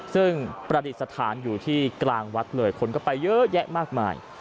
ซึ่งประดิษฐานอยู่ที่กลางวัดเลยคนก็ไปเยอะแยะมากมาย